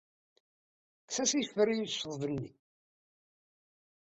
Kkes-as ifer i ccḍeb-ni.